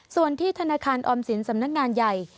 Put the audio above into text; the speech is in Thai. ส่วนที่ธนาคารออมสินสำนักงานใหญ่